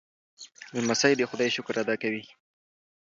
لمسی د خدای شکر ادا کوي.